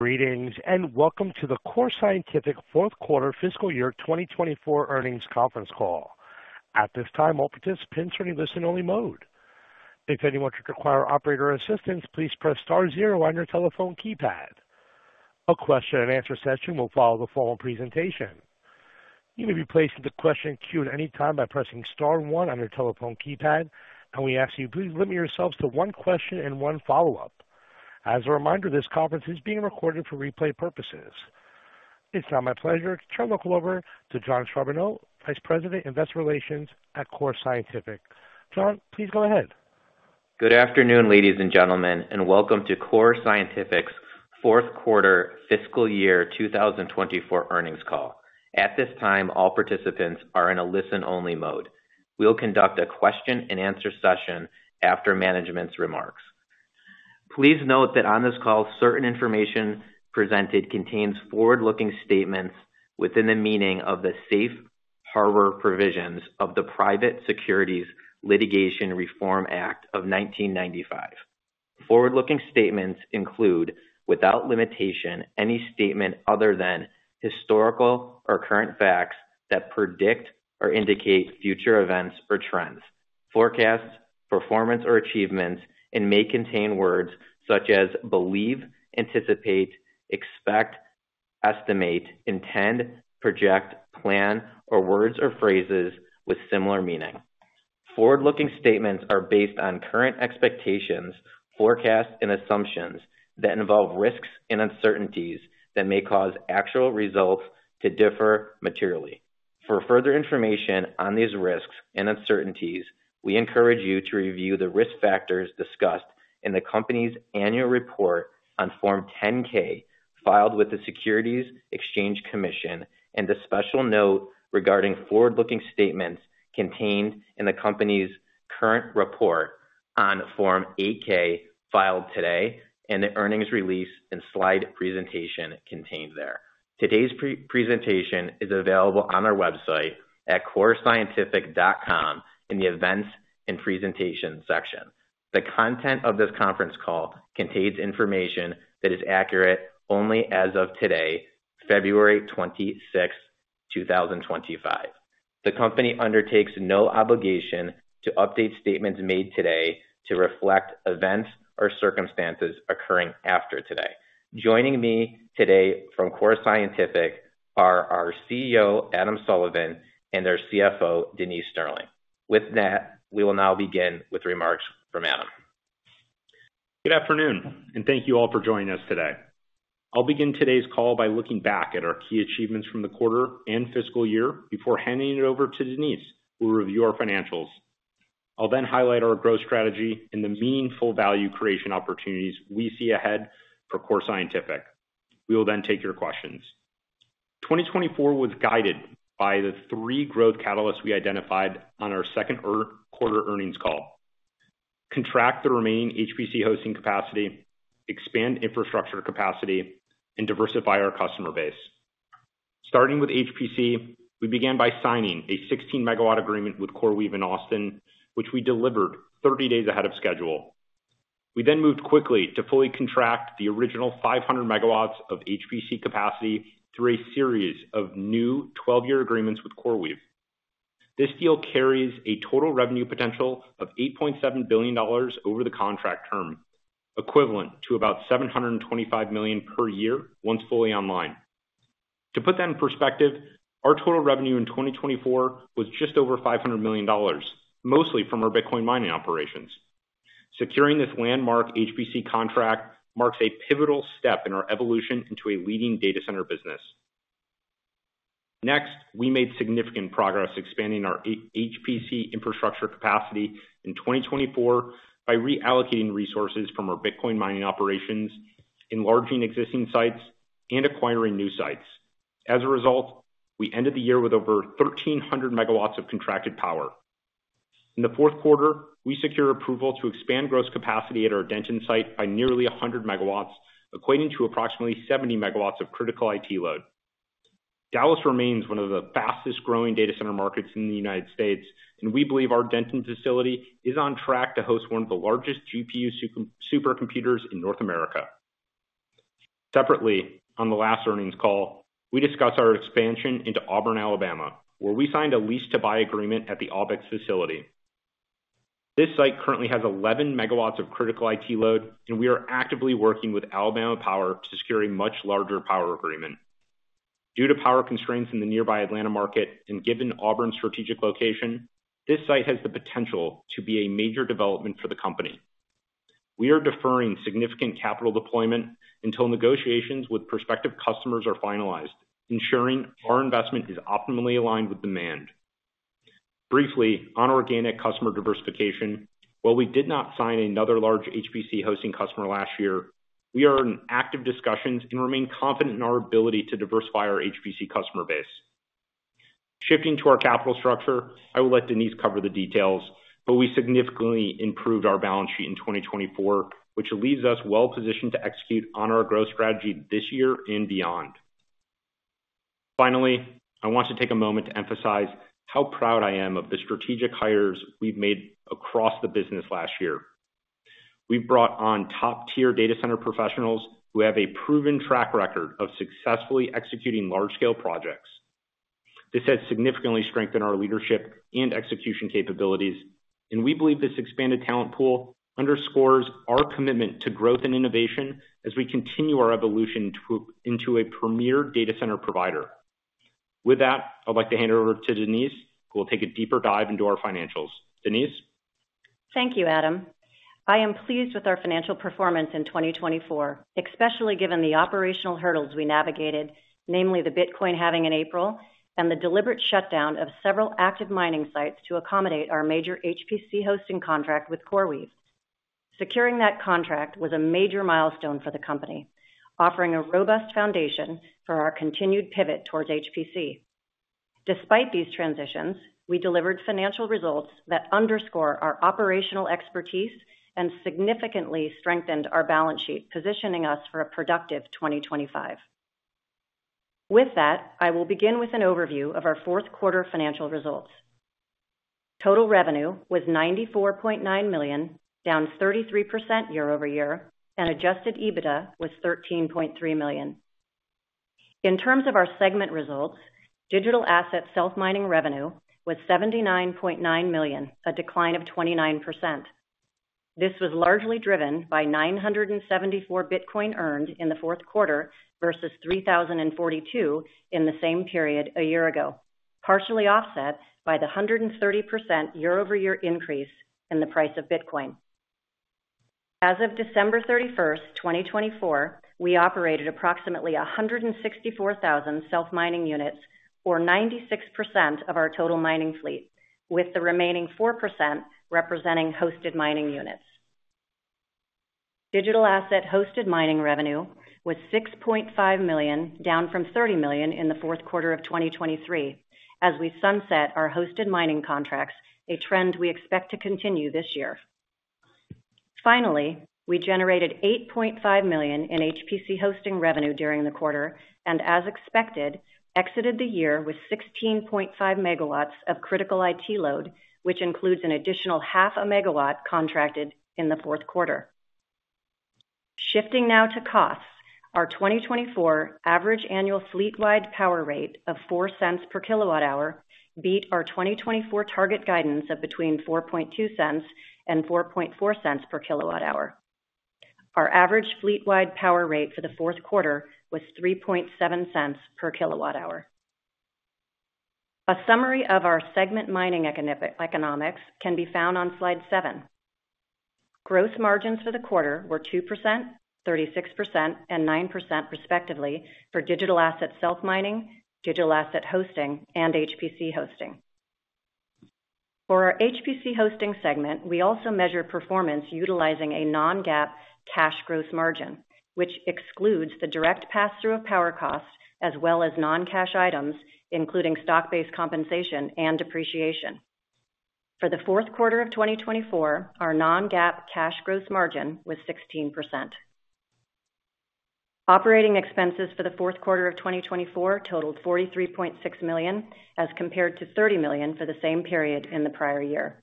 Greetings and welcome to the Core Scientific fourth quarter fiscal year 2024 earnings conference call. At this time, all participants are in listen-only mode. If anyone should require operator assistance, please press star zero on your telephone keypad. A question-and-answer session will follow the following presentation. You may be placed in the question queue at any time by pressing star one on your telephone keypad, and we ask that you please limit yourselves to one question and one follow-up. As a reminder, this conference is being recorded for replay purposes. It's now my pleasure to turn the call over to Jon Charbonneau, Vice President, Investor Relations at Core Scientific. Jon, please go ahead. Good afternoon, ladies and gentlemen, and welcome to Core Scientific's fourth quarter fiscal year 2024 earnings call. At this time, all participants are in a listen-only mode. We'll conduct a question-and-answer session after management's remarks. Please note that on this call, certain information presented contains forward-looking statements within the meaning of the safe harbor provisions of the Private Securities Litigation Reform Act of 1995. Forward-looking statements include, without limitation, any statement other than historical or current facts that predict or indicate future events or trends, forecasts, performance or achievements, and may contain words such as believe, anticipate, expect, estimate, intend, project, plan, or words or phrases with similar meaning. Forward-looking statements are based on current expectations, forecasts, and assumptions that involve risks and uncertainties that may cause actual results to differ materially. For further information on these risks and uncertainties, we encourage you to review the risk factors discussed in the company's annual report on Form 10-K filed with the Securities and Exchange Commission and the special note regarding forward-looking statements contained in the company's current report on Form 8-K filed today and the earnings release and slide presentation contained there. Today's presentation is available on our website at corescientific.com in the Events and Presentations section. The content of this conference call contains information that is accurate only as of today, February 26, 2025. The company undertakes no obligation to update statements made today to reflect events or circumstances occurring after today. Joining me today from Core Scientific are our CEO, Adam Sullivan, and our CFO, Denise Sterling. With that, we will now begin with remarks from Adam. Good afternoon, and thank you all for joining us today. I'll begin today's call by looking back at our key achievements from the quarter and fiscal year before handing it over to Denise, who will review our financials. I'll then highlight our growth strategy and the meaningful value creation opportunities we see ahead for Core Scientific. We will then take your questions. 2024 was guided by the three growth catalysts we identified on our second quarter earnings call: contract the remaining HPC hosting capacity, expand infrastructure capacity, and diversify our customer base. Starting with HPC, we began by signing a 16 MW agreement with CoreWeave in Austin, which we delivered 30 days ahead of schedule. We then moved quickly to fully contract the original 500 MW of HPC capacity through a series of new 12-year agreements with CoreWeave. This deal carries a total revenue potential of $8.7 billion over the contract term, equivalent to about $725 million per year once fully online. To put that in perspective, our total revenue in 2024 was just over $500 million, mostly from our Bitcoin mining operations. Securing this landmark HPC contract marks a pivotal step in our evolution into a leading data center business. Next, we made significant progress expanding our HPC infrastructure capacity in 2024 by reallocating resources from our Bitcoin mining operations, enlarging existing sites, and acquiring new sites. As a result, we ended the year with over 1,300 MW of contracted power. In the fourth quarter, we secured approval to expand gross capacity at our Denton site by nearly 100 MW, equating to approximately 70 MW of critical IT load. Dallas remains one of the fastest-growing data center markets in the United States, and we believe our Denton facility is on track to host one of the largest GPU supercomputers in North America. Separately, on the last earnings call, we discussed our expansion into Auburn, Alabama, where we signed a lease-to-buy agreement at the AUBix facility. This site currently has 11 MW of critical IT load, and we are actively working with Alabama Power to secure a much larger power agreement. Due to power constraints in the nearby Atlanta market and given Auburn's strategic location, this site has the potential to be a major development for the company. We are deferring significant capital deployment until negotiations with prospective customers are finalized, ensuring our investment is optimally aligned with demand. Briefly, on organic customer diversification, while we did not sign another large HPC hosting customer last year, we are in active discussions and remain confident in our ability to diversify our HPC customer base. Shifting to our capital structure, I will let Denise cover the details, but we significantly improved our balance sheet in 2024, which leaves us well-positioned to execute on our growth strategy this year and beyond. Finally, I want to take a moment to emphasize how proud I am of the strategic hires we've made across the business last year. We've brought on top-tier data center professionals who have a proven track record of successfully executing large-scale projects. This has significantly strengthened our leadership and execution capabilities, and we believe this expanded talent pool underscores our commitment to growth and innovation as we continue our evolution into a premier data center provider. With that, I'd like to hand it over to Denise, who will take a deeper dive into our financials. Denise? Thank you, Adam. I am pleased with our financial performance in 2024, especially given the operational hurdles we navigated, namely the Bitcoin halving in April and the deliberate shutdown of several active mining sites to accommodate our major HPC hosting contract with CoreWeave. Securing that contract was a major milestone for the company, offering a robust foundation for our continued pivot towards HPC. Despite these transitions, we delivered financial results that underscore our operational expertise and significantly strengthened our balance sheet, positioning us for a productive 2025. With that, I will begin with an overview of our fourth quarter financial results. Total revenue was $94.9 million, down 33% year-over-year, and Adjusted EBITDA was $13.3 million. In terms of our segment results, digital asset self-mining revenue was $79.9 million, a decline of 29%. This was largely driven by 974 Bitcoin earned in the fourth quarter versus 3,042 in the same period a year ago, partially offset by the 130% year-over-year increase in the price of Bitcoin. As of December 31st, 2024, we operated approximately 164,000 self-mining units, or 96% of our total mining fleet, with the remaining 4% representing hosted mining units. Digital asset hosted mining revenue was $6.5 million, down from $30 million in the fourth quarter of 2023, as we sunset our hosted mining contracts, a trend we expect to continue this year. Finally, we generated $8.5 million in HPC hosting revenue during the quarter and, as expected, exited the year with 16.5 MW of critical IT load, which includes an additional 0.5 MW contracted in the fourth quarter. Shifting now to costs, our 2024 average annual fleet-wide power rate of $0.04 per kWh beat our 2024 target guidance of between $0.04 and $0.04 per kilowatt-hour. Our average fleet-wide power rate for the fourth quarter was $0.03 per kWh. A summary of our segment mining economics can be found on slide seven. Gross margins for the quarter were 2%, 36%, and 9%, respectively, for digital asset self-mining, digital asset hosting, and HPC hosting. For our HPC hosting segment, we also measured performance utilizing a non-GAAP cash gross margin, which excludes the direct pass-through of power costs as well as non-cash items, including stock-based compensation and depreciation. For the fourth quarter of 2024, our non-GAAP cash gross margin was 16%. Operating expenses for the fourth quarter of 2024 totaled $43.6 million, as compared to $30 million for the same period in the prior year.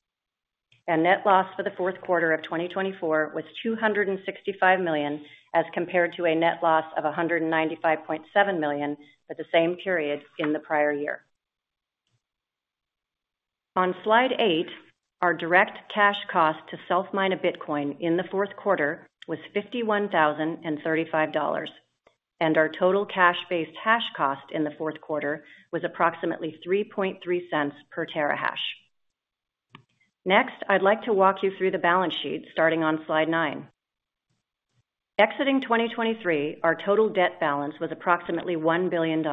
Net loss for the fourth quarter of 2024 was $265 million, as compared to a net loss of $195.7 million for the same period in the prior year. On slide eight, our direct cash cost to self-mine a Bitcoin in the fourth quarter was $51,035, and our total cash-based hash cost in the fourth quarter was approximately $0.33 per terahash. Next, I'd like to walk you through the balance sheet, starting on slide nine. Exiting 2023, our total debt balance was approximately $1 billion.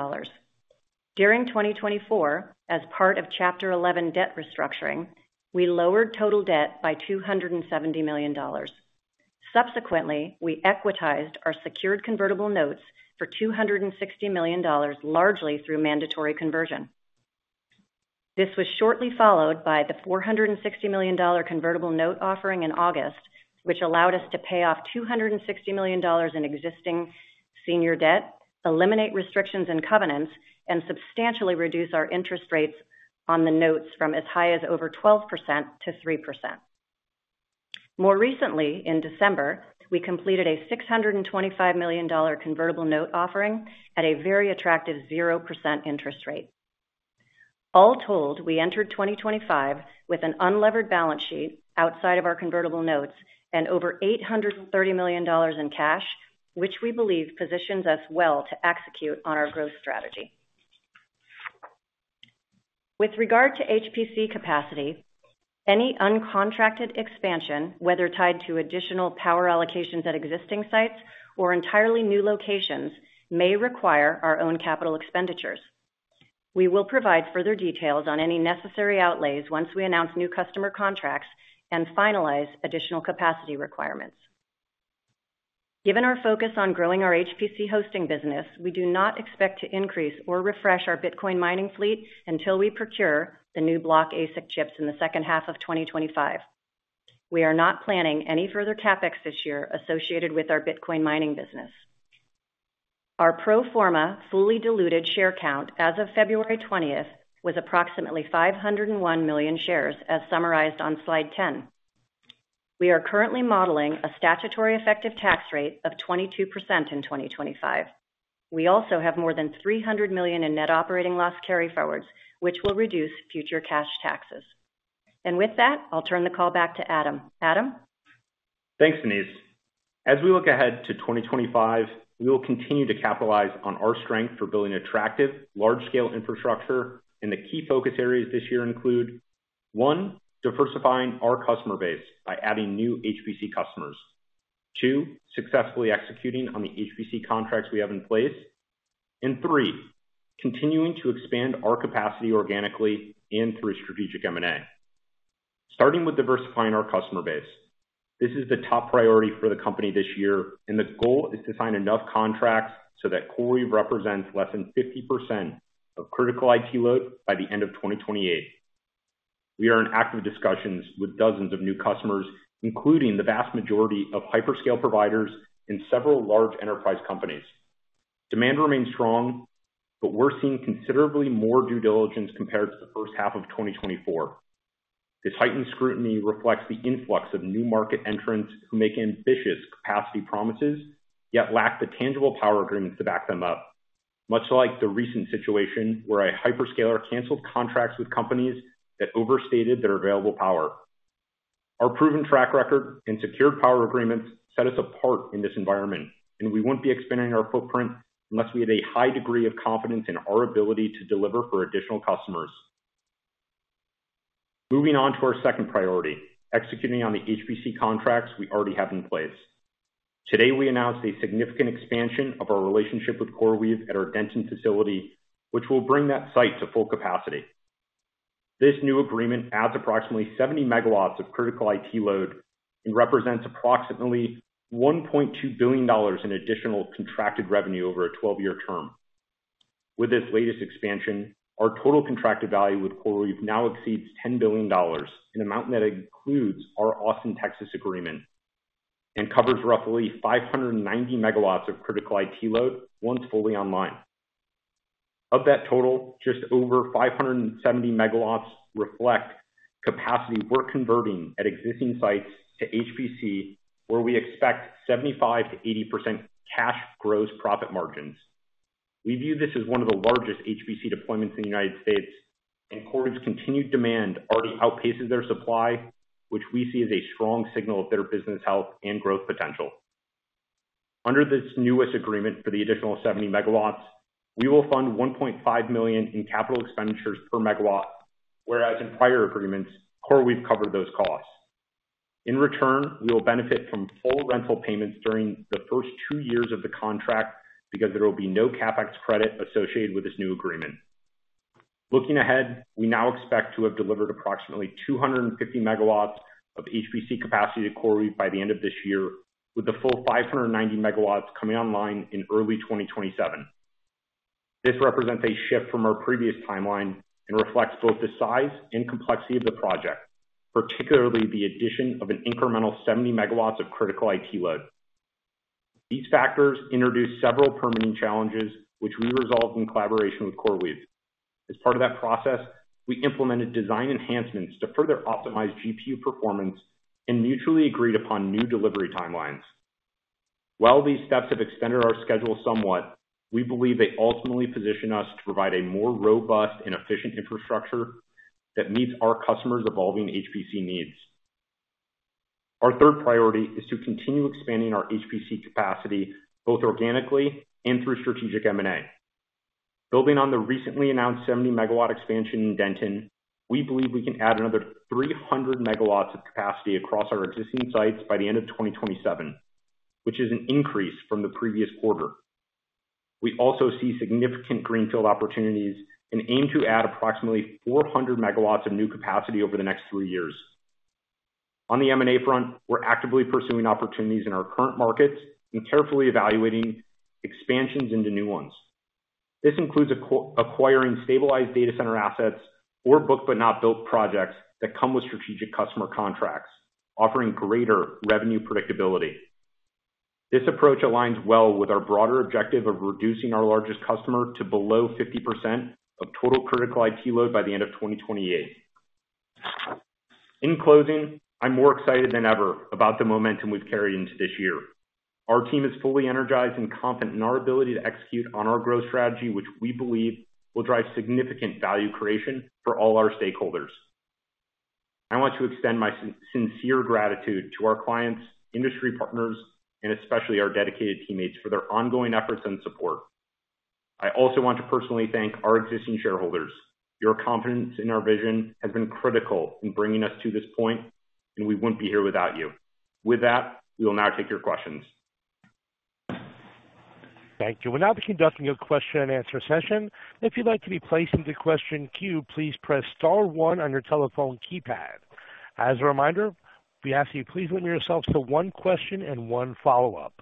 During 2024, as part of Chapter 11 debt restructuring, we lowered total debt by $270 million. Subsequently, we equitized our secured convertible notes for $260 million, largely through mandatory conversion. This was shortly followed by the $460 million convertible note offering in August, which allowed us to pay off $260 million in existing senior debt, eliminate restrictions and covenants, and substantially reduce our interest rates on the notes from as high as over 12% to 3%. More recently, in December, we completed a $625 million convertible note offering at a very attractive 0% interest rate. All told, we entered 2025 with an unlevered balance sheet outside of our convertible notes and over $830 million in cash, which we believe positions us well to execute on our growth strategy. With regard to HPC capacity, any uncontracted expansion, whether tied to additional power allocations at existing sites or entirely new locations, may require our own capital expenditures. We will provide further details on any necessary outlays once we announce new customer contracts and finalize additional capacity requirements. Given our focus on growing our HPC hosting business, we do not expect to increase or refresh our Bitcoin mining fleet until we procure the new Block ASIC chips in the second half of 2025. We are not planning any further CapEx this year associated with our Bitcoin mining business. Our pro forma fully diluted share count as of February 20th was approximately 501 million shares, as summarized on slide 10. We are currently modeling a statutory effective tax rate of 22% in 2025. We also have more than $300 million in net operating loss carryforwards, which will reduce future cash taxes. With that, I'll turn the call back to Adam. Adam? Thanks, Denise. As we look ahead to 2025, we will continue to capitalize on our strength for building attractive, large-scale infrastructure, and the key focus areas this year include: one, diversifying our customer base by adding new HPC customers. Two, successfully executing on the HPC contracts we have in place. And three, continuing to expand our capacity organically and through strategic M&A. Starting with diversifying our customer base. This is the top priority for the company this year, and the goal is to sign enough contracts so that CoreWeave represents less than 50% of critical IT load by the end of 2028. We are in active discussions with dozens of new customers, including the vast majority of hyperscale providers and several large enterprise companies. Demand remains strong, but we're seeing considerably more due diligence compared to the first half of 2024. This heightened scrutiny reflects the influx of new market entrants who make ambitious capacity promises, yet lack the tangible power agreements to back them up, much like the recent situation where a hyperscaler canceled contracts with companies that overstated their available power. Our proven track record and secured power agreements set us apart in this environment, and we won't be expanding our footprint unless we have a high degree of confidence in our ability to deliver for additional customers. Moving on to our second priority: executing on the HPC contracts we already have in place. Today, we announced a significant expansion of our relationship with CoreWeave at our Denton facility, which will bring that site to full capacity. This new agreement adds approximately 70 MW of critical IT load and represents approximately $1.2 billion in additional contracted revenue over a 12-year term. With this latest expansion, our total contracted value with CoreWeave now exceeds $10 billion, an amount that includes our Austin, Texas agreement, and covers roughly 590 MW of critical IT load once fully online. Of that total, just over 570 MW reflect capacity we're converting at existing sites to HPC, where we expect 75%-80% cash gross profit margins. We view this as one of the largest HPC deployments in the United States, and CoreWeave's continued demand already outpaces their supply, which we see as a strong signal of their business health and growth potential. Under this newest agreement for the additional 70 MW, we will fund $1.5 million in capital expenditures per megawatt, whereas in prior agreements, CoreWeave covered those costs. In return, we will benefit from full rental payments during the first two years of the contract because there will be no CapEx credit associated with this new agreement. Looking ahead, we now expect to have delivered approximately 250 MW of HPC capacity to CoreWeave by the end of this year, with the full 590 MW coming online in early 2027. This represents a shift from our previous timeline and reflects both the size and complexity of the project, particularly the addition of an incremental 70 MW of critical IT load. These factors introduce several permanent challenges, which we resolved in collaboration with CoreWeave. As part of that process, we implemented design enhancements to further optimize GPU performance and mutually agreed upon new delivery timelines. While these steps have extended our schedule somewhat, we believe they ultimately position us to provide a more robust and efficient infrastructure that meets our customers' evolving HPC needs. Our third priority is to continue expanding our HPC capacity both organically and through strategic M&A. Building on the recently announced 70 MW expansion in Denton, we believe we can add another 300 MW of capacity across our existing sites by the end of 2027, which is an increase from the previous quarter. We also see significant greenfield opportunities and aim to add approximately 400 MW of new capacity over the next three years. On the M&A front, we're actively pursuing opportunities in our current markets and carefully evaluating expansions into new ones. This includes acquiring stabilized data center assets or book-but-not-built projects that come with strategic customer contracts, offering greater revenue predictability. This approach aligns well with our broader objective of reducing our largest customer to below 50% of total critical IT load by the end of 2028. In closing, I'm more excited than ever about the momentum we've carried into this year. Our team is fully energized and confident in our ability to execute on our growth strategy, which we believe will drive significant value creation for all our stakeholders. I want to extend my sincere gratitude to our clients, industry partners, and especially our dedicated teammates for their ongoing efforts and support. I also want to personally thank our existing shareholders. Your confidence in our vision has been critical in bringing us to this point, and we wouldn't be here without you. With that, we will now take your questions. Thank you. We'll now begin taking a question-and-answer session. If you'd like to be placed into question queue, please press star one on your telephone keypad. As a reminder, we ask that you please limit yourself to one question and one follow-up.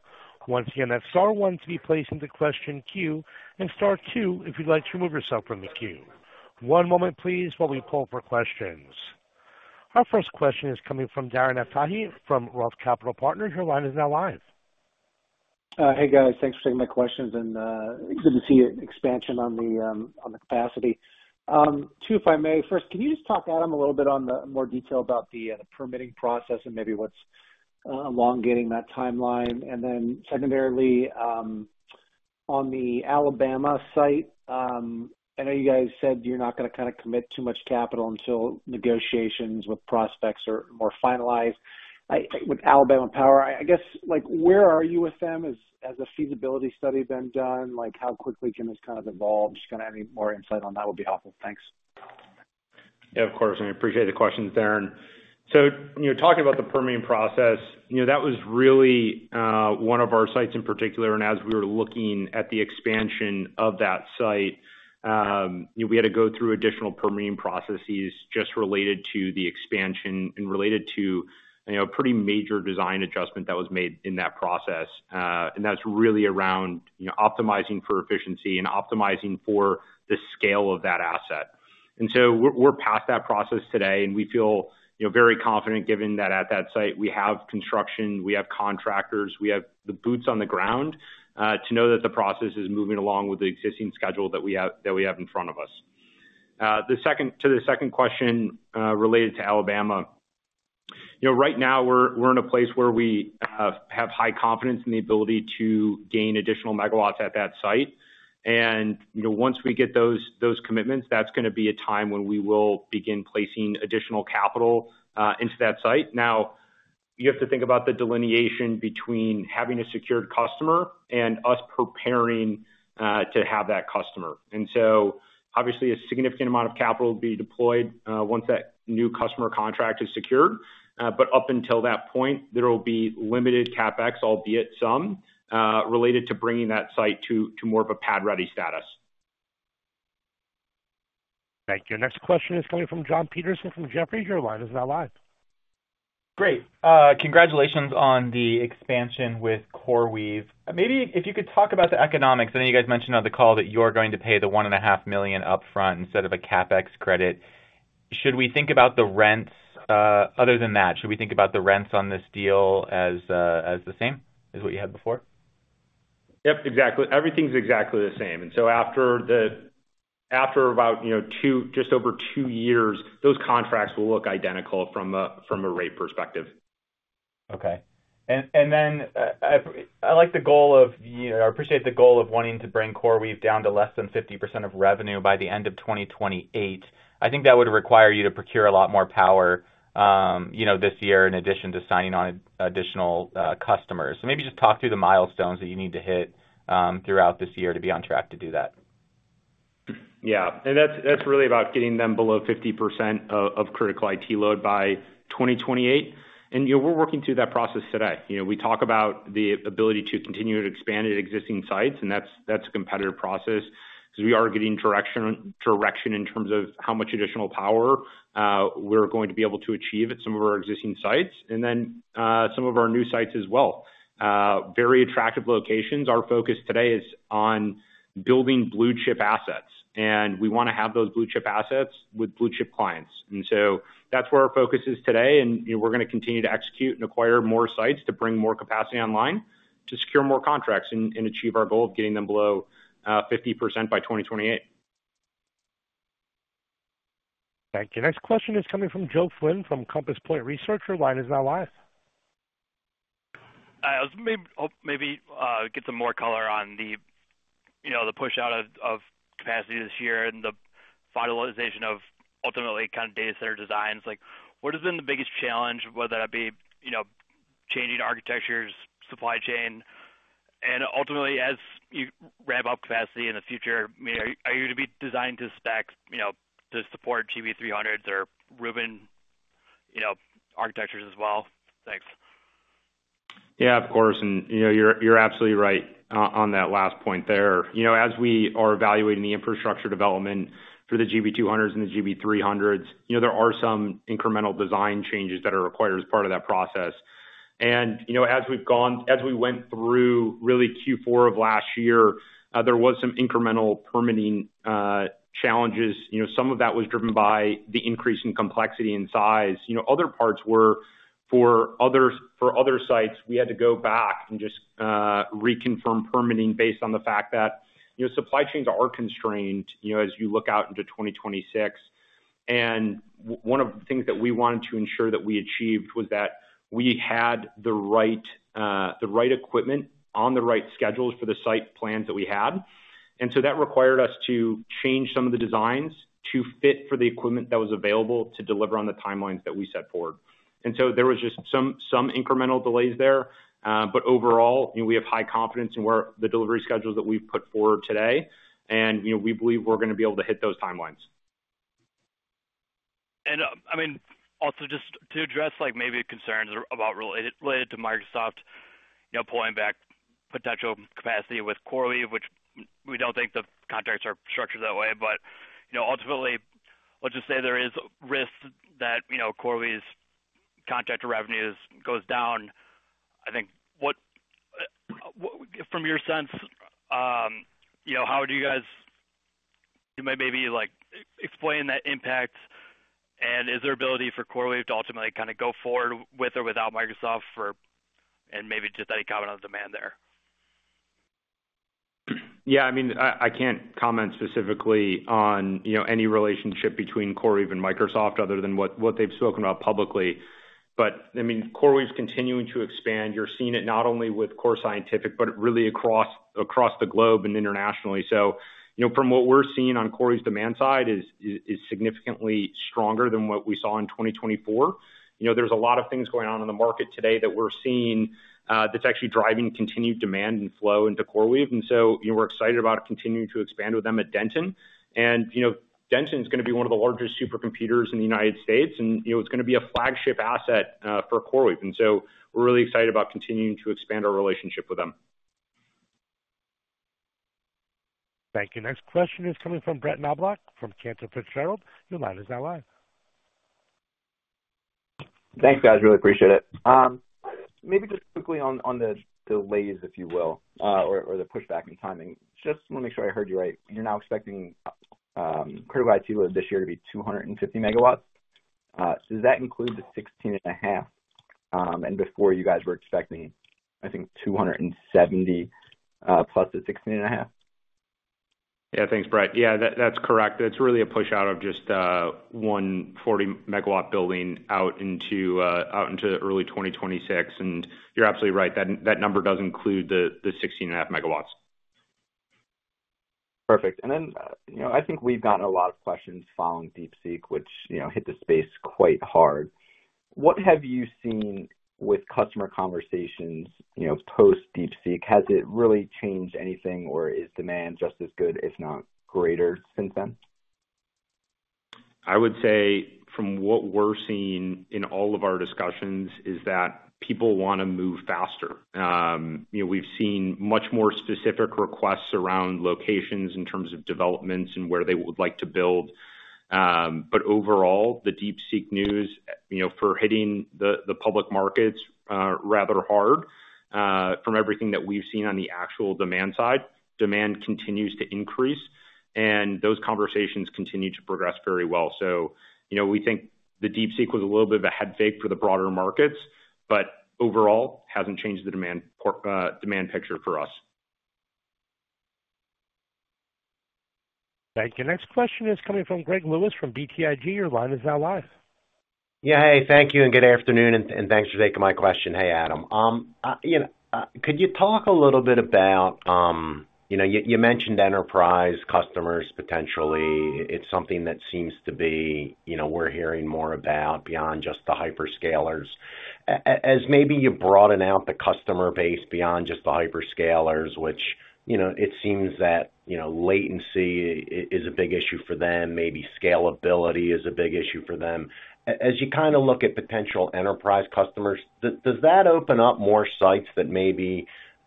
Once again, that's star one to be placed into question queue and star two if you'd like to remove yourself from the queue. One moment, please, while we pull up our questions. Our first question is coming from Darren Aftahi from Roth Capital Partners. Your line is now live. Hey, guys. Thanks for taking my questions. And good to see expansion on the capacity. Two, if I may, first, can you just talk, Adam, a little bit in more detail about the permitting process and maybe what's elongating that timeline? And then secondarily, on the Alabama site, I know you guys said you're not going to kind of commit too much capital until negotiations with prospects are more finalized with Alabama Power. I guess, where are you with them? Has a feasibility study been done? How quickly can this kind of evolve? Just kind of any more insight on that would be helpful. Thanks. Yeah, of course, and I appreciate the questions, Darren, so talking about the permitting process, that was really one of our sites in particular, and as we were looking at the expansion of that site, we had to go through additional permitting processes just related to the expansion and related to a pretty major design adjustment that was made in that process, and that's really around optimizing for efficiency and optimizing for the scale of that asset. And so we're past that process today, and we feel very confident given that at that site, we have construction, we have contractors, we have the boots on the ground to know that the process is moving along with the existing schedule that we have in front of us. To the second question related to Alabama, right now, we're in a place where we have high confidence in the ability to gain additional MW at that site. And once we get those commitments, that's going to be a time when we will begin placing additional capital into that site. Now, you have to think about the delineation between having a secured customer and us preparing to have that customer. And so, obviously, a significant amount of capital will be deployed once that new customer contract is secured. But up until that point, there will be limited CapEx, albeit some, related to bringing that site to more of a pad-ready status. Thank you. Next question is coming from Jon Petersen from Jefferies. Your line is now live. Great. Congratulations on the expansion with CoreWeave. Maybe if you could talk about the economics. I know you guys mentioned on the call that you're going to pay the $1.5 million upfront instead of a CapEx credit. Should we think about the rents? Other than that, should we think about the rents on this deal as the same as what you had before? Yep, exactly. Everything's exactly the same, and so after about just over two years, those contracts will look identical from a rate perspective. Okay, and then I appreciate the goal of wanting to bring CoreWeave down to less than 50% of revenue by the end of 2028. I think that would require you to procure a lot more power this year in addition to signing on additional customers. So maybe just talk through the milestones that you need to hit throughout this year to be on track to do that? Yeah. And that's really about getting them below 50% of critical IT load by 2028. And we're working through that process today. We talk about the ability to continue to expand at existing sites, and that's a competitive process because we are getting direction in terms of how much additional power we're going to be able to achieve at some of our existing sites and then some of our new sites as well. Very attractive locations. Our focus today is on building blue-chip assets, and we want to have those blue-chip assets with blue-chip clients. And so that's where our focus is today. And we're going to continue to execute and acquire more sites to bring more capacity online to secure more contracts and achieve our goal of getting them below 50% by 2028. Thank you. Next question is coming from Joe Flynn from Compass Point Research. Your line is now live. I was maybe hoping to get some more color on the push out of capacity this year and the finalization of ultimately kind of data center designs. What has been the biggest challenge, whether that be changing architectures, supply chain, and ultimately, as you ramp up capacity in the future, are you to be designed to spec to support GB300s or Rubin architectures as well? Thanks. Yeah, of course. And you're absolutely right on that last point there. As we are evaluating the infrastructure development for the GB200s and the GB300s, there are some incremental design changes that are required as part of that process. And as we went through really Q4 of last year, there were some incremental permitting challenges. Some of that was driven by the increase in complexity and size. Other parts were for other sites, we had to go back and just reconfirm permitting based on the fact that supply chains are constrained as you look out into 2026. And one of the things that we wanted to ensure that we achieved was that we had the right equipment on the right schedules for the site plans that we had. And so that required us to change some of the designs to fit for the equipment that was available to deliver on the timelines that we set forward. And so there was just some incremental delays there. But overall, we have high confidence in the delivery schedules that we've put forward today. And we believe we're going to be able to hit those timelines. And I mean, also just to address maybe concerns related to Microsoft pulling back potential capacity with CoreWeave, which we don't think the contracts are structured that way. But ultimately, let's just say there is risk that CoreWeave's contract revenues go down. I think from your sense, how do you guys maybe explain that impact? And is there ability for CoreWeave to ultimately kind of go forward with or without Microsoft for. And maybe just any comment on the demand there? Yeah. I mean, I can't comment specifically on any relationship between CoreWeave and Microsoft other than what they've spoken about publicly. But I mean, CoreWeave's continuing to expand. You're seeing it not only with Core Scientific, but really across the globe and internationally. So from what we're seeing on CoreWeave's demand side is significantly stronger than what we saw in 2024. There's a lot of things going on in the market today that we're seeing that's actually driving continued demand and flow into CoreWeave. And so we're excited about continuing to expand with them at Denton. And Denton is going to be one of the largest supercomputers in the United States. And it's going to be a flagship asset for CoreWeave. And so we're really excited about continuing to expand our relationship with them. Thank you. Next question is coming from Brett Knoblauch from Cantor Fitzgerald. Your line is now live. Thanks, guys. Really appreciate it. Maybe just quickly on the delays, if you will, or the pushback and timing. Just want to make sure I heard you right. You're now expecting critical IT load this year to be 250 MW. Does that include the 16.5, and before you guys were expecting, I think, 270 plus the 16.5? Yeah. Thanks, Brett. Yeah, that's correct. It's really a push out of just one 40 MW building out into early 2026, and you're absolutely right. That number does include the 16.5 MW. Perfect. And then I think we've gotten a lot of questions following DeepSeek, which hit the space quite hard. What have you seen with customer conversations post-DeepSeek? Has it really changed anything, or is demand just as good, if not greater, since then? I would say from what we're seeing in all of our discussions is that people want to move faster. We've seen much more specific requests around locations in terms of developments and where they would like to build, but overall, the DeepSeek news hit the public markets rather hard. From everything that we've seen on the actual demand side, demand continues to increase and those conversations continue to progress very well, so we think the DeepSeek was a little bit of a head fake for the broader markets, but overall, hasn't changed the demand picture for us. Thank you. Next question is coming from Greg Lewis from BTIG. Your line is now live. Yeah. Hey, thank you. Good afternoon. Thanks for taking my question. Hey, Adam. Could you talk a little bit about. You mentioned enterprise customers potentially. It's something that seems to be we're hearing more about beyond just the hyperscalers. As maybe you broaden out the customer base beyond just the hyperscalers, which it seems that latency is a big issue for them. Maybe scalability is a big issue for them. As you kind of look at potential enterprise customers, does that open up more sites that may be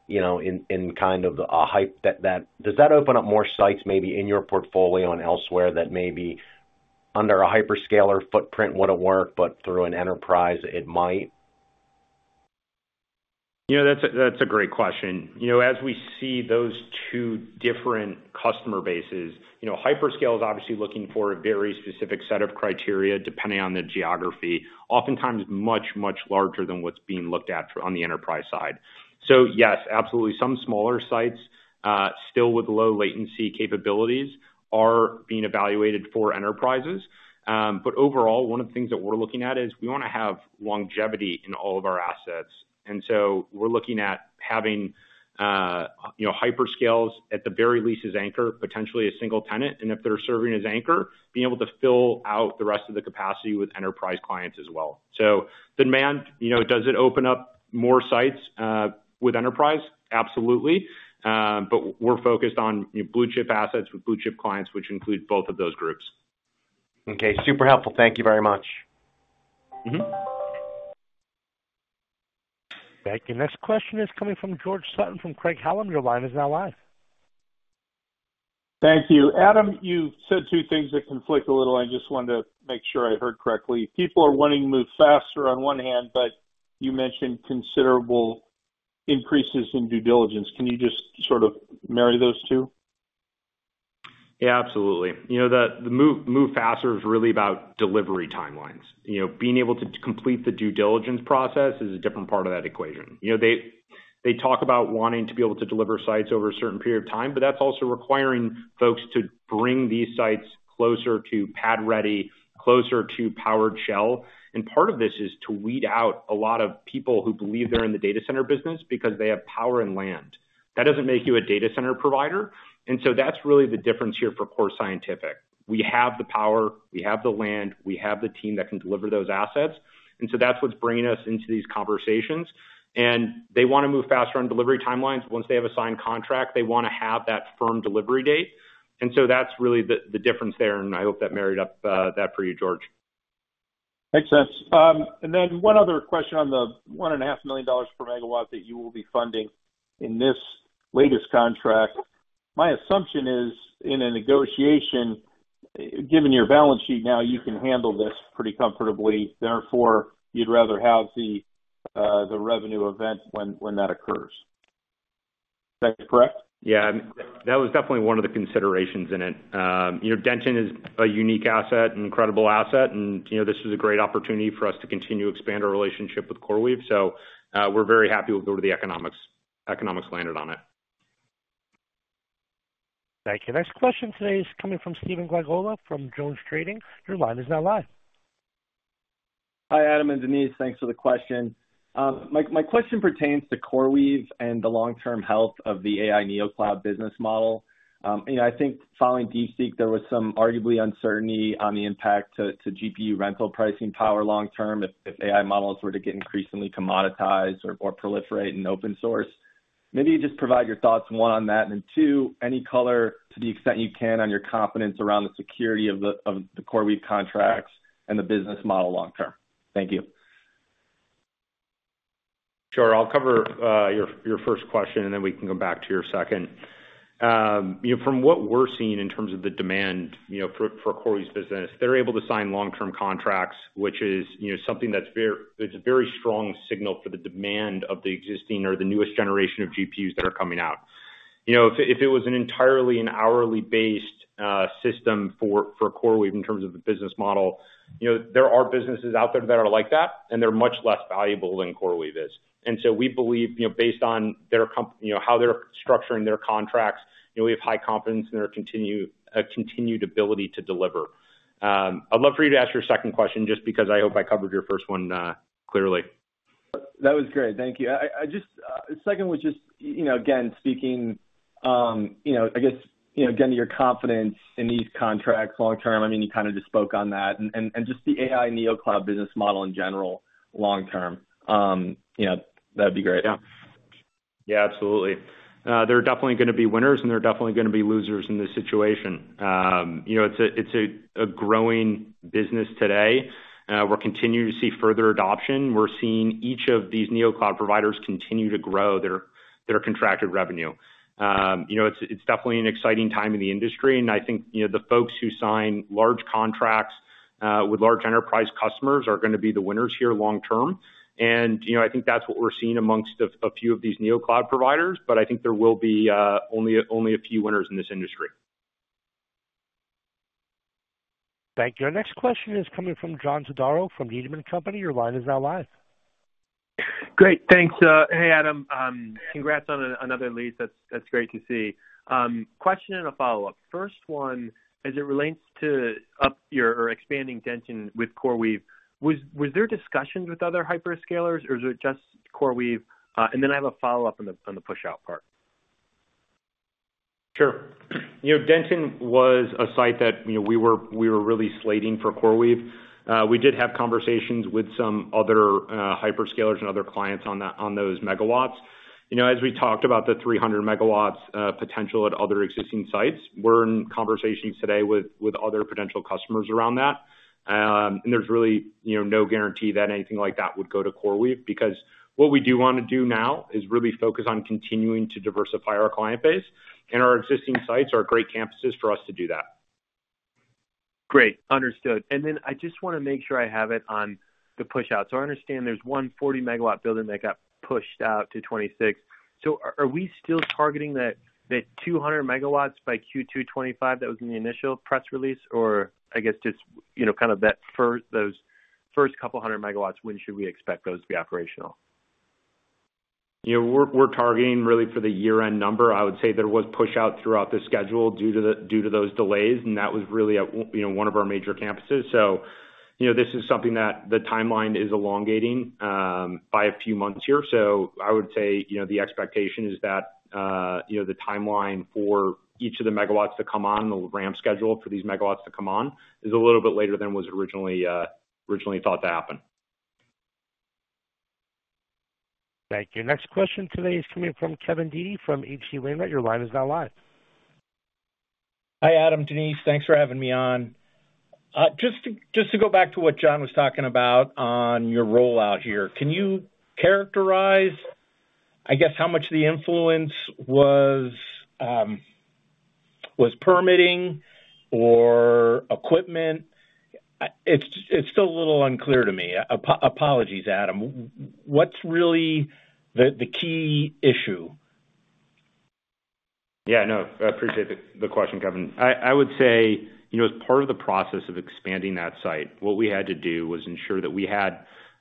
in kind of an hype, does that open up more sites maybe in your portfolio and elsewhere that maybe under a hyperscaler footprint wouldn't work, but throuhh an enterprise it might? That's a great question. As we see those two different customer bases, hyperscale is obviously looking for a very specific set of criteria depending on the geography, oftentimes much, much larger than what's being looked at on the enterprise side. So yes, absolutely. Some smaller sites still with low latency capabilities are being evaluated for enterprises. But overall, one of the things that we're looking at is we want to have longevity in all of our assets. And so we're looking at having hyperscales at the very least as anchor, potentially a single tenant. And if they're serving as anchor, being able to fill out the rest of the capacity with enterprise clients as well. So the demand, does it open up more sites with enterprise? Absolutely. But we're focused on blue-chip assets with blue-chip clients, which include both of those groups. Okay. Super helpful. Thank you very much. Thank you. Next question is coming from George Sutton from Craig-Hallum. Your line is now live. Thank you. Adam, you said two things that conflict a little. I just wanted to make sure I heard correctly. People are wanting to move faster on one hand, but you mentioned considerable increases in due diligence. Can you just sort of marry those two? Yeah, absolutely. The move faster is really about delivery timelines. Being able to complete the due diligence process is a different part of that equation. They talk about wanting to be able to deliver sites over a certain period of time, but that's also requiring folks to bring these sites closer to pad-ready, closer to powered shell. And part of this is to weed out a lot of people who believe they're in the data center business because they have power and land. That doesn't make you a data center provider. And so that's really the difference here for Core Scientific. We have the power, we have the land, we have the team that can deliver those assets. And so that's what's bringing us into these conversations. And they want to move faster on delivery timelines. Once they have a signed contract, they want to have that firm delivery date. That's really the difference there. I hope that married up that for you, George. Makes sense. And then one other question on the $1.5 million per MW that you will be funding in this latest contract. My assumption is in a negotiation, given your balance sheet now, you can handle this pretty comfortably. Therefore, you'd rather have the revenue event when that occurs. Is that correct? Yeah. That was definitely one of the considerations in it. Denton is a unique asset, an incredible asset. And this is a great opportunity for us to continue to expand our relationship with CoreWeave. So we're very happy with where the economics landed on it. Thank you. Next question today is coming from Stephen Glagola from JonesTrading. Your line is now live. Hi, Adam and Denise. Thanks for the question. My question pertains to CoreWeave and the long-term health of the AI neocloud business model. I think following DeepSeek, there was some arguable uncertainty on the impact to GPU rental pricing power long-term if AI models were to get increasingly commoditized or proliferate in open source. Maybe you just provide your thoughts, one on that, and two, any color to the extent you can on your confidence around the security of the CoreWeave contracts and the business model long-term. Thank you. Sure. I'll cover your first question, and then we can go back to your second. From what we're seeing in terms of the demand for CoreWeave's business, they're able to sign long-term contracts, which is something that's a very strong signal for the demand of the existing or the newest generation of GPUs that are coming out. If it was entirely an hourly-based system for CoreWeave in terms of the business model, there are businesses out there that are like that, and they're much less valuable than CoreWeave is. And so we believe, based on how they're structuring their contracts, we have high confidence in their continued ability to deliver. I'd love for you to ask your second question just because I hope I covered your first one clearly. That was great. Thank you. The second was just, again, speaking, I guess, again, to your confidence in these contracts long-term.I mean, you kind of just spoke on that. And just the AI neocloud business model in general long-term, that'd be great. Yeah. Yeah, absolutely. There are definitely going to be winners, and there are definitely going to be losers in this situation. It's a growing business today. We're continuing to see further adoption. We're seeing each of these neocloud providers continue to grow their contracted revenue. It's definitely an exciting time in the industry. And I think the folks who sign large contracts with large enterprise customers are going to be the winners here long-term. And I think that's what we're seeing amongst a few of these neocloud providers. But I think there will be only a few winners in this industry. Thank you. Our next question is coming from John Todaro from Needham & Company. Your line is now live. Great. Thanks. Hey, Adam. Congrats on another lead. That's great to see. Question and a follow-up. First one, as it relates to upgrading or expanding Denton with CoreWeave, was there discussions with other hyperscalers, or is it just CoreWeave? And then I have a follow-up on the push-out part. Sure. Denton was a site that we were really slating for CoreWeave. We did have conversations with some other hyperscalers and other clients on those megawatts. As we talked about the 300 MW potential at other existing sites, we're in conversations today with other potential customers around that. And there's really no guarantee that anything like that would go to CoreWeave because what we do want to do now is really focus on continuing to diversify our client base. And our existing sites are great campuses for us to do that. Great. Understood. And then I just want to make sure I have it on the push-out. So I understand there's one 40 MW building that got pushed out to 26. So are we still targeting that 200 MW by Q2 2025 that was in the initial press release? Or I guess just kind of those first couple hundred megawatts, when should we expect those to be operational? We're targeting really for the year-end number. I would say there was push-out throughout the schedule due to those delays, and that was really one of our major campuses, so this is something that the timeline is elongating by a few months here, so I would say the expectation is that the timeline for each of the megawatts to come on, the ramp schedule for these megawatts to come on, is a little bit later than was originally thought to happen. Thank you. Next question today is coming from Kevin Dede from H.C. Wainwright. Your line is now live. Hi, Adam. Denise, thanks for having me on. Just to go back to what Jon was talking about on your rollout here, can you characterize, I guess, how much the influence was permitting or equipment? It's still a little unclear to me. Apologies, Adam. What's really the key issue? Yeah. No, I appreciate the question, Kevin. I would say as part of the process of expanding that site, what we had to do was ensure that we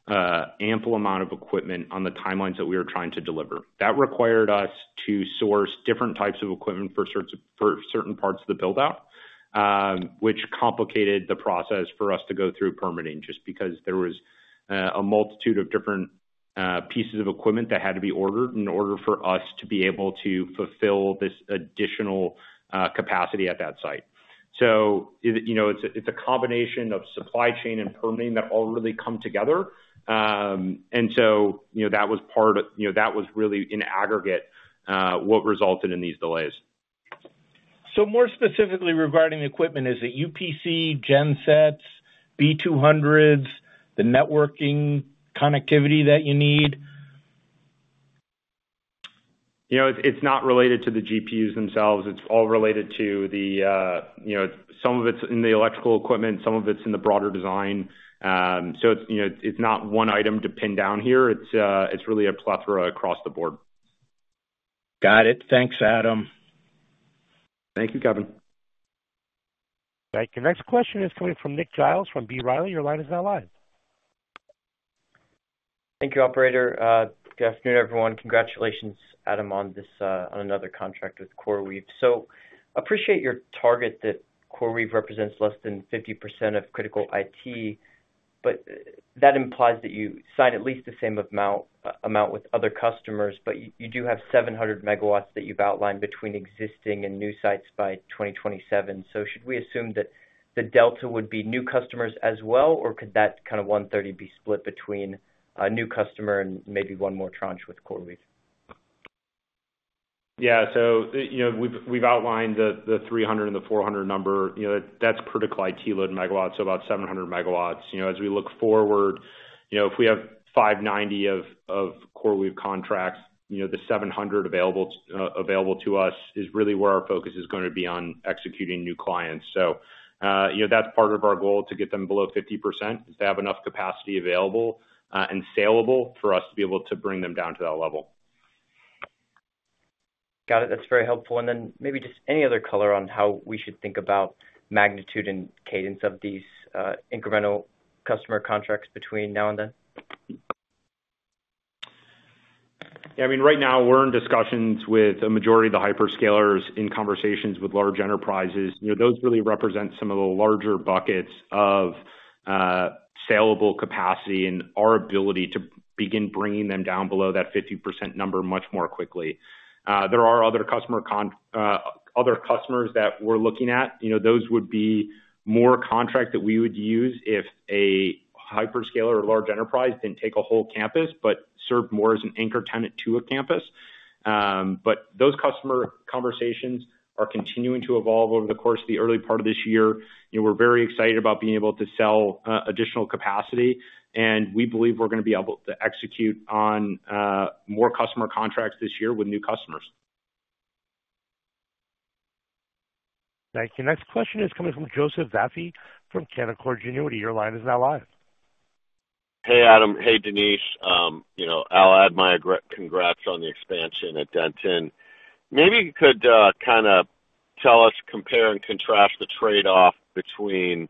had an ample amount of equipment on the timelines that we were trying to deliver. That required us to source different types of equipment for certain parts of the build-out. Which complicated the process for us to go through permitting just because there was a multitude of different pieces of equipment that had to be ordered in order for us to be able to fulfill this additional capacity at that site. So it's a combination of supply chain and permitting that all really come together. And so that was part of that was really in aggregate what resulted in these delays. So more specifically regarding the equipment, is it UPS, Gensets, B200s, the networking connectivity that you need? It's not related to the GPUs themselves. It's all related to some of it's in the electrical equipment, some of it's in the broader design. So it's not one item to pin down here. It's really a plethora across the board. Got it. Thanks, Adam. Thank you, Kevin. Thank you. Next question is coming from Nick Giles from B. Riley. Your line is now live. Thank you, Operator. Good afternoon, everyone. Congratulations, Adam, on another contract with CoreWeave, so I appreciate your target that CoreWeave represents less than 50% of critical IT, but that implies that you sign at least the same amount with other customers, but you do have 700 MW that you've outlined between existing and new sites by 2027, so should we assume that the delta would be new customers as well, or could that kind of 130 be split between a new customer and maybe one more tranche with CoreWeave? Yeah. So we've outlined the 300 and the 400 number. That's critical IT load megawatts, so about 700 MW. As we look forward, if we have 590 of CoreWeave contracts, the 700 available to us is really where our focus is going to be on executing new clients. So that's part of our goal to get them below 50%, is to have enough capacity available and saleable for us to be able to bring them down to that level. Got it. That's very helpful. And then maybe just any other color on how we should think about magnitude and cadence of these incremental customer contracts between now and then? Yeah. I mean, right now, we're in discussions with a majority of the hyperscalers in conversations with large enterprises. Those really represent some of the larger buckets of saleable capacity and our ability to begin bringing them down below that 50% number much more quickly. There are other customers that we're looking at. Those would be more contracts that we would use if a hyperscaler or large enterprise didn't take a whole campus, but those customer conversations are continuing to evolve over the course of the early part of this year. We're very excited about being able to sell additional capacity, and we believe we're going to be able to execute on more customer contracts this year with new customers. Thank you. Next question is coming from Joseph Vafi from Canaccord Genuity. Your line is now live. Hey, Adam. Hey, Denise. I'll add my congrats on the expansion at Denton. Maybe you could kind of tell us, compare and contrast the trade-off between,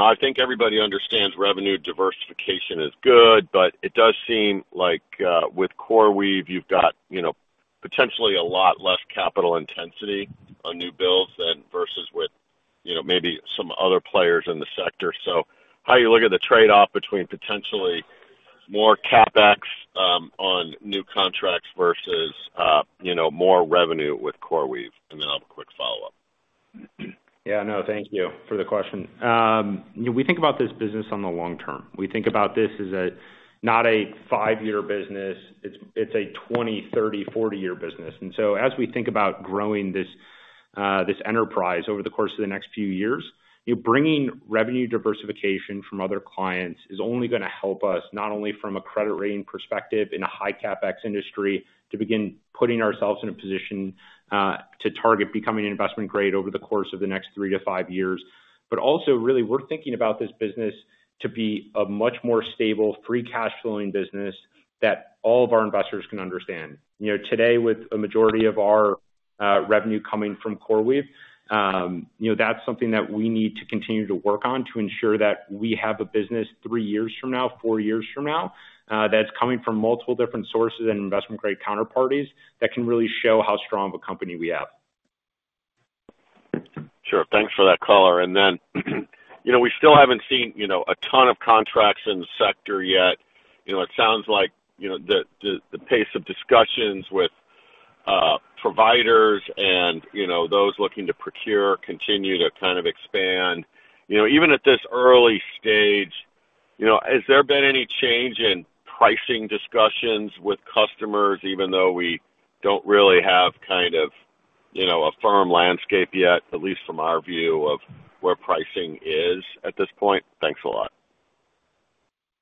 I think everybody understands revenue diversification is good, but it does seem like with CoreWeave, you've got potentially a lot less capital intensity on new builds versus with maybe some other players in the sector. So how do you look at the trade-off between potentially more CapEx on new contracts versus more revenue with CoreWeave? And then I'll have a quick follow-up. Yeah. No, thank you for the question. We think about this business on the long term. We think about this as not a five-year business. It's a 20, 30, 40-year business. And so as we think about growing this enterprise over the course of the next few years, bringing revenue diversification from other clients is only going to help us, not only from a credit-rating perspective in a high CapEx industry, to begin putting ourselves in a position to target becoming investment-grade over the course of the next three to five years. But also, really, we're thinking about this business to be a much more stable, free cash-flowing business that all of our investors can understand. Today, with a majority of our revenue coming from CoreWeave, that's something that we need to continue to work on to ensure that we have a business three years from now, four years from now, that's coming from multiple different sources and investment-grade counterparties that can really show how strong of a company we have. Sure. Thanks for that color. And then we still haven't seen a ton of contracts in the sector yet. It sounds like the pace of discussions with providers and those looking to procure continue to kind of expand. Even at this early stage, has there been any change in pricing discussions with customers, even though we don't really have kind of a firm landscape yet, at least from our view, of where pricing is at this point? Thanks a lot.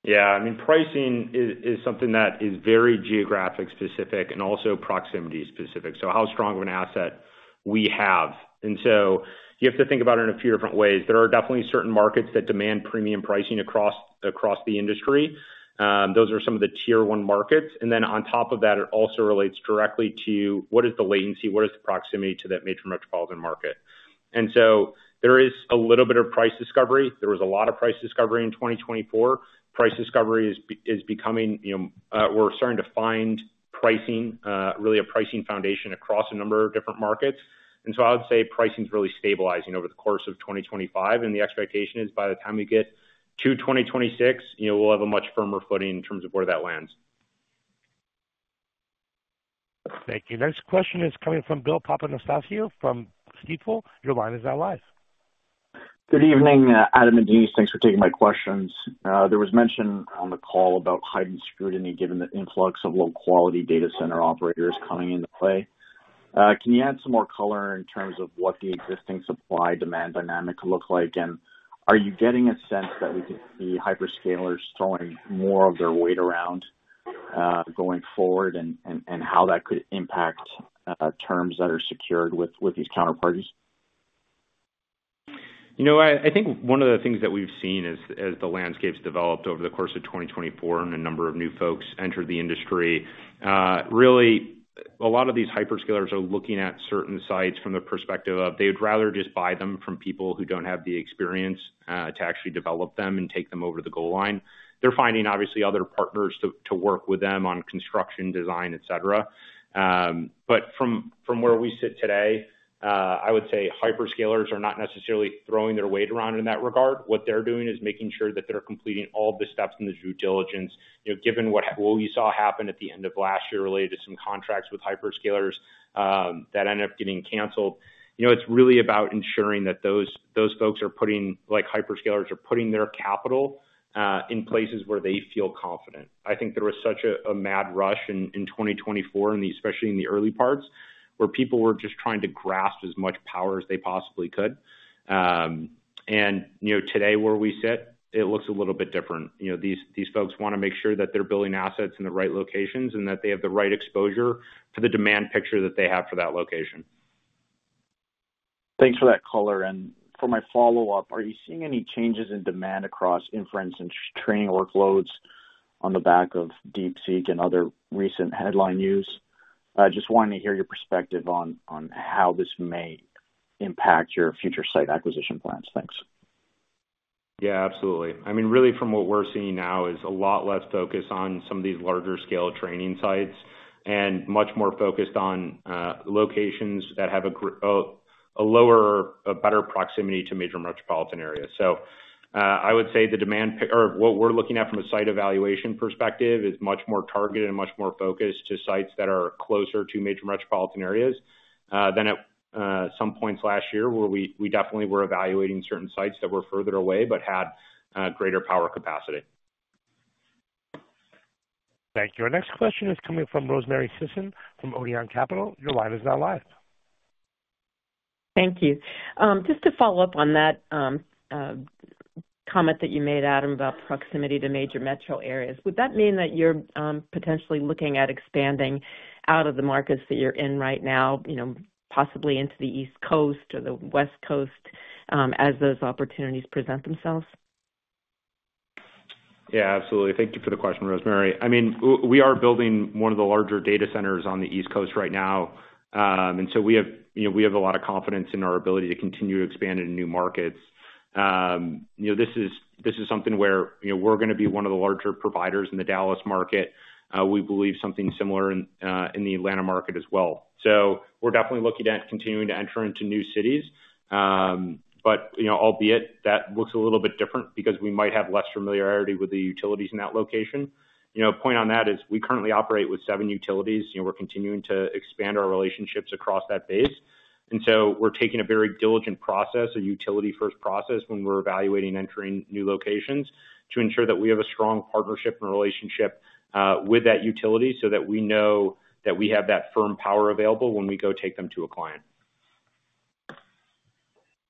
Yeah. I mean, pricing is something that is very geographic-specific and also proximity-specific. So how strong of an asset we have. And so you have to think about it in a few different ways. There are definitely certain markets that demand premium pricing across the industry. Those are some of the tier-one markets. And then on top of that, it also relates directly to what is the latency, what is the proximity to that major metropolitan market, and so there is a little bit of price discovery. There was a lot of price discovery in 2024. Price discovery is becoming. We're starting to find pricing, really a pricing foundation across a number of different markets. And so I would say pricing is really stabilizing over the course of 2025. The expectation is by the time we get to 2026, we'll have a much firmer footing in terms of where that lands. Thank you. Next question is coming from Bill Papanastasiou from Stifel. Your line is now live. Good evening, Adam and Denise. Thanks for taking my questions. There was mention on the call about heightened scrutiny given the influx of low-quality data center operators coming into play. Can you add some more color in terms of what the existing supply-demand dynamic looks like? And are you getting a sense that we could see hyperscalers throwing more of their weight around going forward and how that could impact terms that are secured with these counterparties? I think one of the things that we've seen as the landscape's developed over the course of 2024 and a number of new folks entered the industry, really, a lot of these hyperscalers are looking at certain sites from the perspective of they would rather just buy them from people who don't have the experience to actually develop them and take them over the goal line. They're finding, obviously, other partners to work with them on construction, design, etc. But from where we sit today, I would say hyperscalers are not necessarily throwing their weight around in that regard. What they're doing is making sure that they're completing all the steps and the due diligence. Given what we saw happen at the end of last year related to some contracts with hyperscalers that ended up getting canceled, it's really about ensuring that those hyperscalers are putting their capital in places where they feel confident. I think there was such a mad rush in 2024, especially in the early parts, where people were just trying to grasp as much power as they possibly could. And today, where we sit, it looks a little bit different. These folks want to make sure that they're building assets in the right locations and that they have the right exposure for the demand picture that they have for that location. Thanks for that color. And for my follow-up, are you seeing any changes in demand across inference and training workloads on the back of DeepSeek and other recent headline news? Just wanting to hear your perspective on how this may impact your future site acquisition plans. Thanks. Yeah, absolutely. I mean, really, from what we're seeing now is a lot less focus on some of these larger-scale training sites and much more focused on locations that have a lower, better proximity to major metropolitan areas. So I would say the demand or what we're looking at from a site evaluation perspective is much more targeted and much more focused to sites that are closer to major metropolitan areas than at some points last year where we definitely were evaluating certain sites that were further away but had greater power capacity. Thank you. Our next question is coming from Rosemary Sisson from Odeon Capital. Your line is now live. Thank you. Just to follow up on that comment that you made, Adam, about proximity to major metro areas, would that mean that you're potentially looking at expanding out of the markets that you're in right now, possibly into the East Coast or the West Coast as those opportunities present themselves? Yeah, absolutely. Thank you for the question, Rosemary. I mean, we are building one of the larger data centers on the East Coast right now. And so we have a lot of confidence in our ability to continue to expand into new markets. This is something where we're going to be one of the larger providers in the Dallas market. We believe something similar in the Atlanta market as well. So we're definitely looking at continuing to enter into new cities. But albeit, that looks a little bit different because we might have less familiarity with the utilities in that location. Point on that is we currently operate with seven utilities. We're continuing to expand our relationships across that base. And so we're taking a very diligent process, a utility-first process when we're evaluating entering new locations to ensure that we have a strong partnership and relationship with that utility so that we know that we have that firm power available when we go take them to a client.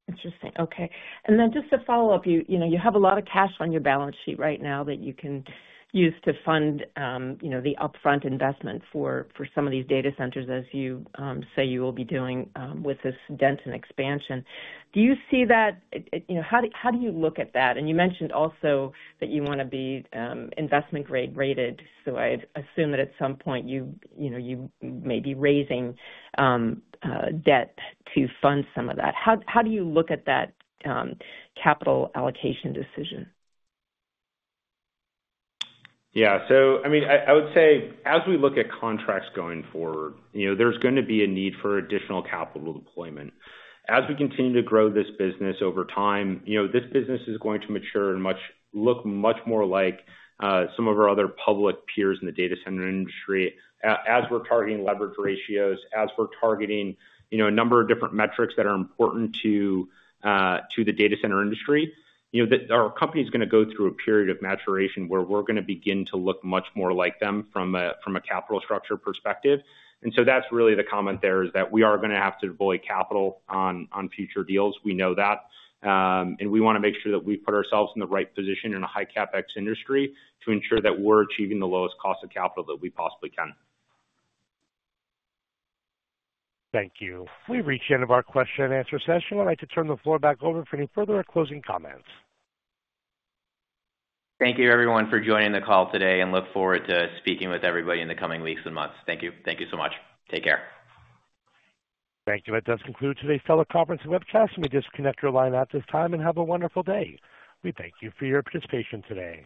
Interesting. Okay. And then just to follow up, you have a lot of cash on your balance sheet right now that you can use to fund the upfront investment for some of these data centers, as you say you will be doing with this Denton expansion. Do you see that? How do you look at that? And you mentioned also that you want to be investment-grade rated. So I assume that at some point you may be raising debt to fund some of that. How do you look at that capital allocation decision? Yeah. So I mean, I would say as we look at contracts going forward, there's going to be a need for additional capital deployment. As we continue to grow this business over time, this business is going to mature and look much more like some of our other public peers in the data center industry as we're targeting leverage ratios, as we're targeting a number of different metrics that are important to the data center industry. Our company is going to go through a period of maturation where we're going to begin to look much more like them from a capital structure perspective. And so that's really the comment there is that we are going to have to deploy capital on future deals. We know that. We want to make sure that we put ourselves in the right position in a high CapEx industry to ensure that we're achieving the lowest cost of capital that we possibly can. Thank you. We've reached the end of our question-and-answer session. I'd like to turn the floor back over for any further or closing comments. Thank you, everyone, for joining the call today, and look forward to speaking with everybody in the coming weeks and months. Thank you. Thank you so much. Take care. Thank you. That does conclude today's teleconference and webcast. We just disconnect your line at this time and have a wonderful day. We thank you for your participation today.